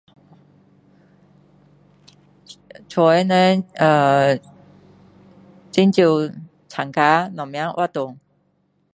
家里的人呃…很少参加什么活动